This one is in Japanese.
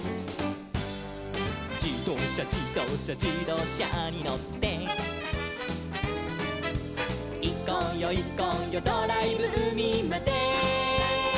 「じどうしゃじどうしゃじどうしゃにのって」「いこうよいこうよドライブうみまで」